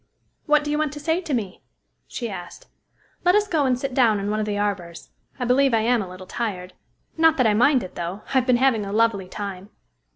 "What do you want to say to me?" she asked. "Let us go and sit down in one of the arbors. I believe I am a little tired not that I mind it, though. I've been having a lovely time."